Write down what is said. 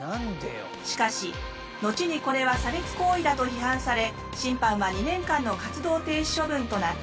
しかし後にこれは差別行為だと批判され審判は２年間の活動停止処分となった。